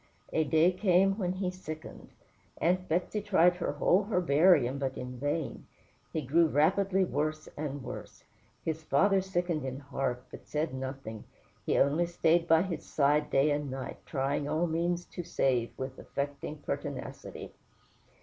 A day came when he sickened. Aunt Betsey tried her whole herbarium, but in vain: he grew rapidly worse and worse. His father sickened in heart, but said nothing; he only stayed by his bedside day and night, trying all means to save, with affecting pertinacity.